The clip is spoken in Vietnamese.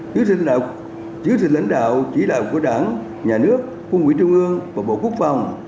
chứa sĩ lãnh đạo chỉ đạo của đảng nhà nước quân ủy trung ương và bộ quốc phòng